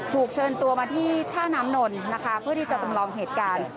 ถูกเชิญตัวมาที่ท่าน้ำนนท์นะคะเพื่อที่จะจำลองเหตุการณ์